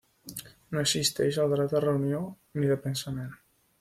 No existeix el dret de reunió ni de pensament.